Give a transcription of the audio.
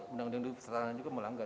undang undang pertahanan juga melanggar